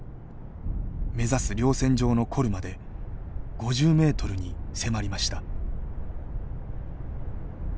目指す稜線上のコルまで５０ｍに迫りました。